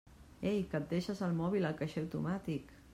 Ei, que et deixes el mòbil al caixer automàtic!